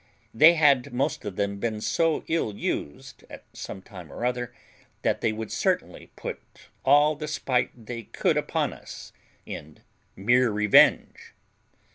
they had most of them been so ill used at some time or other that they would certainly put all the spite they could upon us in mere revenge.